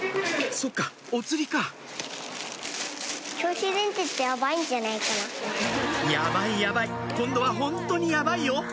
そっかお釣りかやばいやばい今度はホントにやばいよ